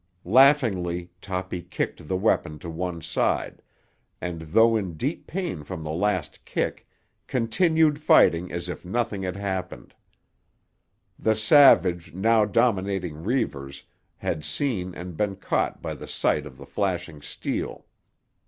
Laughingly Toppy kicked the weapon to one side, and, though in deep pain from the last kick, continued fighting as if nothing had happened. The savage now dominating Reivers had seen and been caught by the sight of the flashing steel.